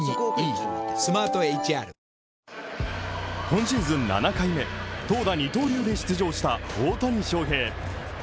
今シーズン７回目、投打二刀流で出場した大谷翔平。